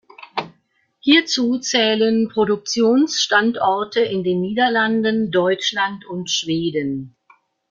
Hierzu zählen Produktionsstandorte in den Niederlanden, Deutschland und Schweden.